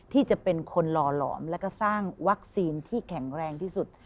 ที่จะเป็นคนหล่อหลอมแล้วก็สร้างวัคซีนที่แข็งแรงที่สุด